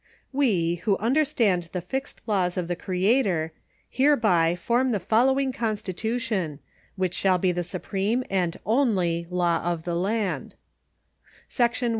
]E, who understand the fixed laws of the Creator, hereby form the following constitution, which siiuU be the supreme and only law of the land : Section I.